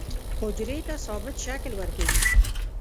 حجرې ته ثابت شکل ورکوي.